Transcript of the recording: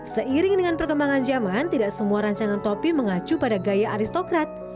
seiring dengan perkembangan zaman tidak semua rancangan topi mengacu pada gaya aristokrat